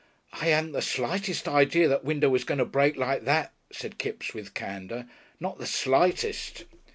"I 'adn't the slightest idea that window was going to break like that," said Kipps, with candour. "Nort the slightest."